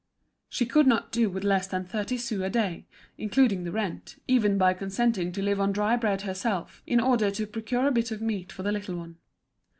She could not do with less than thirty sous a day, including the rent, even by consenting to live on dry bread herself, in order to procure a bit of meat for the little one.